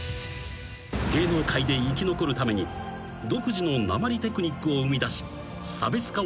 ［芸能界で生き残るために独自のなまりテクニックを生みだし差別化を図った］